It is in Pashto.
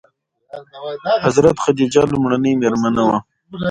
حضرت خدیجه لومړنۍ مومنه وه.